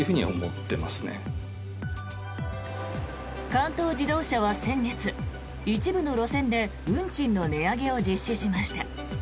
関東自動車は先月一部の路線で運賃の値上げを実施しました。